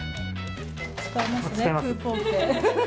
使いますね、クーポン券。